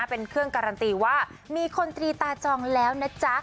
เป็นเครื่องการันตีว่ามีคนตรีตาจองแล้วนะจ๊ะ